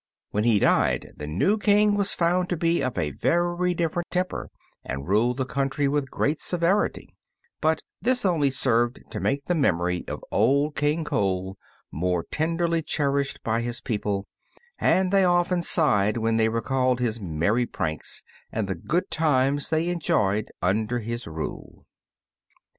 When he died the new King was found to be of a very different temper, and ruled the country with great severity; but this only served to make the memory of Old King Cole more tenderly cherished by his people, and they often sighed when they recalled his merry pranks, and the good times they enjoyed under his rule.